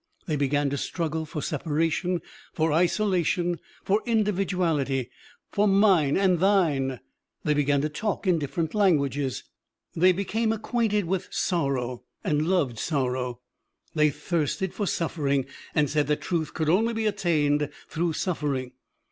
They began to struggle for separation, for isolation, for individuality, for mine and thine. They began to talk in different languages. They became acquainted with sorrow and loved sorrow; they thirsted for suffering, and said that truth could only be attained through suffering.